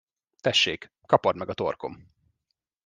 Tessék, kapard meg a torkom.